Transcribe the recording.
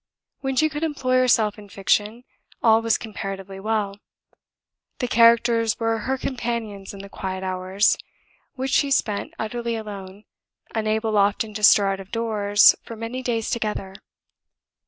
When she could employ herself in fiction, all was comparatively well. The characters were her companions in the quiet hours, which she spent utterly alone, unable often to stir out of doors for many days together.